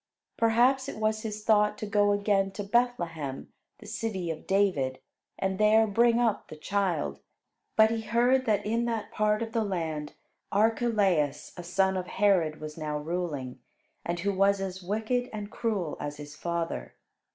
Perhaps it was his thought to go again to Bethlehem, the city of David, and there bring up the child. But he heard that in that part of the land Archelaus, a son of Herod, was now ruling, and who was as wicked and cruel as his father.